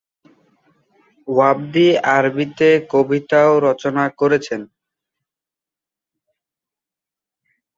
ওবায়দী আরবিতে কবিতাও রচনা করেছেন।